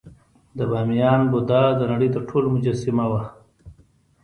د بامیان بودا د نړۍ تر ټولو لویه مجسمه وه